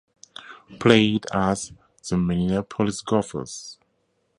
Played as the "'Minneapolis Gophers'".